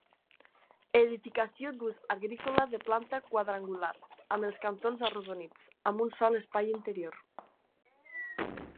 Edificació d'ús agrícola de planta quadrangular, amb els cantons arrodonits, amb un sol espai interior.